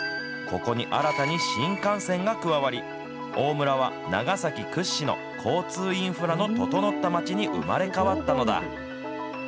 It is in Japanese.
ここに新たに新幹線が加わり、大村は長崎屈指の交通インフラの整った町に生まれ変わったのだ。